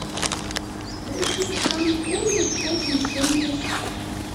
Решоткам комдык почын шындыш.